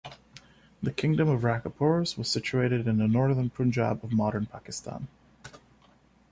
The kingdom of Raja Porus was situated in the northern Punjab of modern Pakistan.